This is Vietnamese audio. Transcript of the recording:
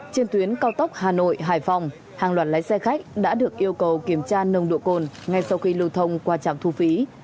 trên tuyến cao tốc hà nội hải phòng hàng loạt lái xe khách đã được yêu cầu kiểm tra nồng độ cồn ngay sau khi lưu thông qua trạm thu phí